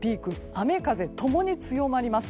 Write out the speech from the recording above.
雨風共に強まります。